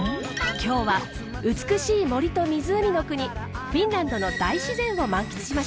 今日は美しい森と湖の国フィンランドの大自然を満喫しましょう。